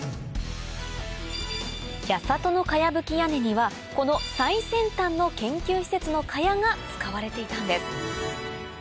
八郷の茅ぶき屋根にはこの最先端の研究施設の茅が使われていたんです